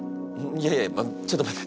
いやいやちょっと待て。